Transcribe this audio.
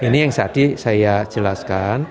ini yang tadi saya jelaskan